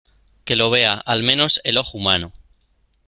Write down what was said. que lo vea, al menos , el ojo humano.